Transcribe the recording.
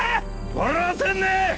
笑わせんね！